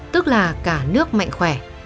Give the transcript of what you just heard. tức là cả nước mạnh khỏe